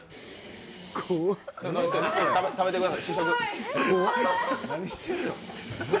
食べてください、試食。